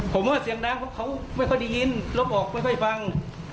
ผมว่าเสียงร้างเขาไม่ค่อยได้ยินลบออกไม่ค่อยฟัง